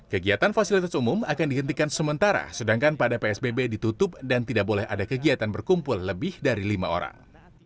kegiatan fasilitas umum akan dihentikan sementara sedangkan pada psbb ditutup dan tidak boleh ada kegiatan berkumpul lebih dari lima orang